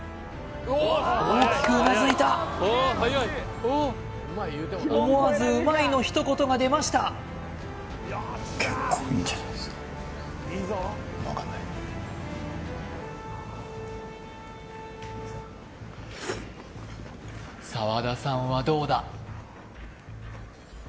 大きくうなずいた思わず「うまい」の一言が出ました澤田さんはどうだ？